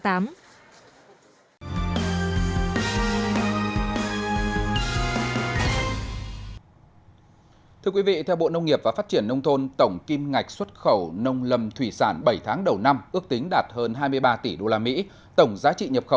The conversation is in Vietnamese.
thưa quý vị theo bộ nông nghiệp và phát triển nông thôn tổng kim ngạch xuất khẩu nông lâm thủy sản bảy tháng đầu năm ước tính đạt hơn hai mươi ba tỷ usd